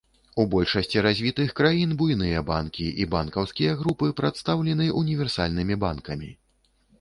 У большасці развітых краін буйныя банкі і банкаўскія групы прадстаўлены універсальнымі банкамі.